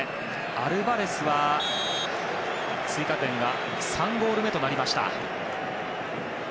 アルバレスは追加点が３ゴール目となりました。